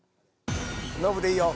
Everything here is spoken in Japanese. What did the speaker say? ノブでいいよ。